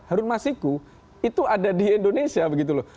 harun masiku itu ada di indonesia begitu loh